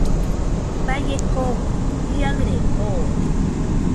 Baie kokɨ jiaɨre boode.